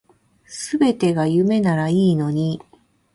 全てが夢ならいいのに